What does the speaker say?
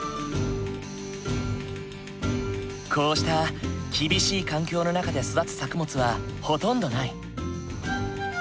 こうした厳しい環境の中で育つ作物はほとんどない。